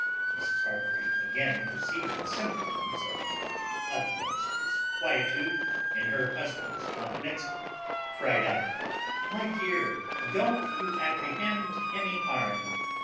Mrs. Heartfree, again perceiving symptoms of the utmost disquietude in her husband's countenance, cryed out, "My dear, don't you apprehend any harm.